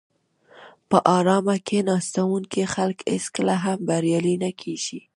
په آرامه کیناستونکي خلک هېڅکله هم بریالي نه کېږي.